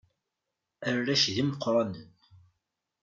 Arrac d imeqqranen.